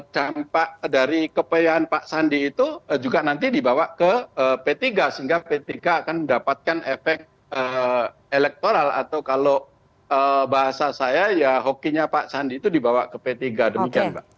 dampak dari kepeyaan pak sandi itu juga nanti dibawa ke p tiga sehingga p tiga akan mendapatkan efek elektoral atau kalau bahasa saya ya hokinya pak sandi itu dibawa ke p tiga demikian mbak